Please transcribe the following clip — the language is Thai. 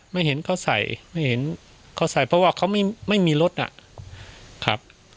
ไม่เห็นเขาใส่ไม่เห็นเขาใส่เพราะว่าเขาไม่มีรถอ่ะครับ